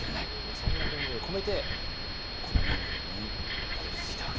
そんな思いを込めてこのメニューにたどりついたわけです。